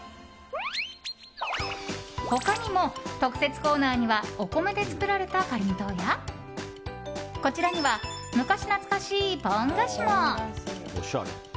他にも特設コーナーにはお米で作られたかりんとうやこちらには昔懐かしいポン菓子も。